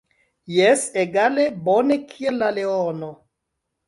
Jes, egale bone kiel la leono.